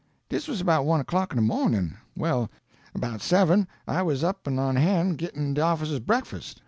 "Dis was 'bout one o'clock in de mawnin'. Well, 'bout seven, I was up an' on han', gittin' de officers' breakfast.